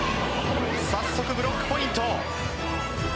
早速ブロックポイント。